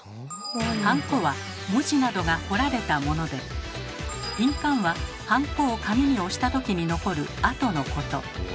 ハンコは文字などが彫られたもので印鑑はハンコを紙に押した時に残る跡のこと。